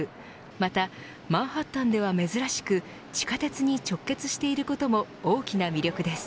また、マンハッタンでは珍しく地下鉄に直結していることも大きな魅力です。